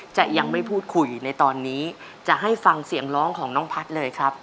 จะยังไม่พูดคุยในตอนนี้จะให้ฟังเสียงร้องของน้องพัฒน์เลยครับ